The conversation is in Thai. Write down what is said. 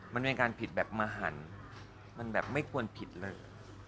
มันเป็นการผิดแบบมหันมันแบบไม่ควรผิดเลย